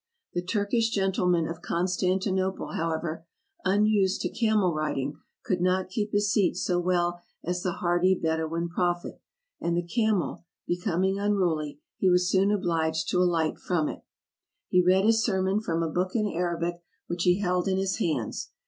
The Turkish gentleman of Constantinople, however, unused to camel riding, could not keep his seat so well as the hardy Bedouin prophet, and the camel becoming unruly, he was soon obliged to alight from it. He read his sermon from a book in Arabic which he held in his hands.